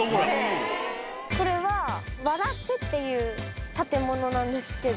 これは「ワ・ラッセ」っていう建物なんですけど。